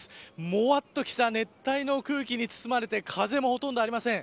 もわっとした熱帯の空気に包まれて風もほとんどありません。